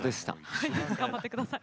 はい頑張ってください。